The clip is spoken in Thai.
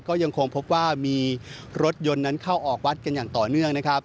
ก็ยังคงพบว่ามีรถยนต์นั้นเข้าออกวัดกันอย่างต่อเนื่องนะครับ